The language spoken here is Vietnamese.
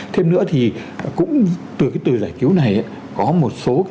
thêm nữa thì cũng từ cái từ giải cứu này ạ